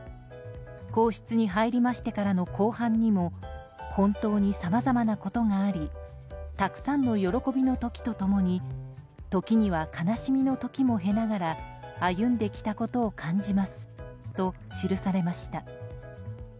皇室に入りましてからの後半にも本当にさまざまなことがありたくさんの喜びの時と共に時には悲しみの時も経ながら歩んできたことを感じますと記されました。